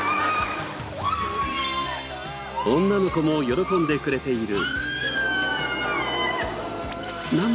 女の子も喜んでくれている。